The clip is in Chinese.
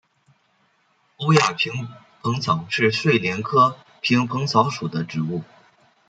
欧亚萍蓬草是睡莲科萍蓬草属的植物。